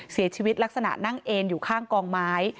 เสียชีวิตลักษณะนั่งเอ็นอยู่ข้างกองไม้